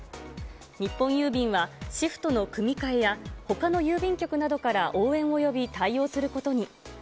日本郵便は、シフトの組み替えや、ほかの郵便局などから応援を呼び対応することに。